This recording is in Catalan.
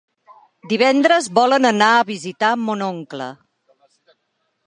Divendres volen anar a visitar mon oncle.